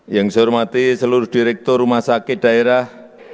yang saya hormati seluruh direktur rumah sakit daerah